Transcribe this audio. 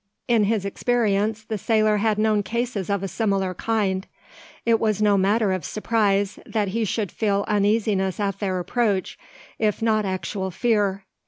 In his experience the sailor had known cases of a similar kind. It was no matter of surprise, that he should feel uneasiness at their approach, if not actual fear.